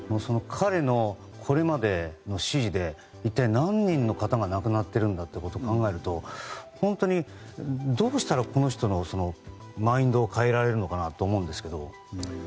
彼のこれまでの指示で一体何人の方が亡くなっているんだということを考えると本当に、どうしたらこの人のマインドを変えられるのかなと思うんですけど。